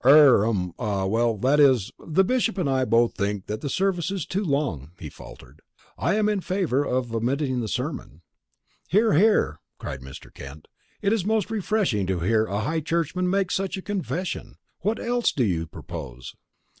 "Er hum well that is, the Bishop and I both think that the service is too long," he faltered. "I am in favour of omitting the sermon." "Hear, hear!" cried Mr. Kent. "It is most refreshing to hear a high churchman make such a confession. And what else do you propose?"